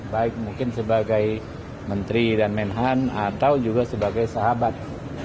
baik mungkin sebagai menteri dan menhan atau juga sebagai sahabat